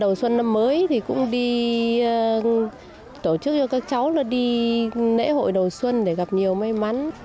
đầu xuân năm mới thì cũng đi tổ chức cho các cháu nó đi lễ hội đầu xuân để gặp nhiều may mắn